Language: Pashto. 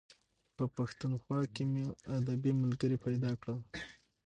په پښتونخوا کې مو ادبي ملګري پیدا کړل.